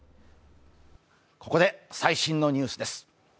ここで最新のニュースです。